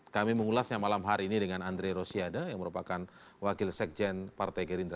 kami mengulasnya malam hari ini dengan andre rosiade yang merupakan wakil sekjen partai gerindra